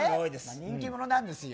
人気者なんですよ。